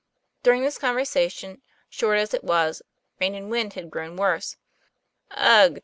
During this conversation, short as it was, rain and wind had grown worse. 'Ugh!